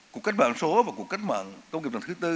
cuộc cách mạng số và cuộc cách mạng công nghiệp lần thứ tư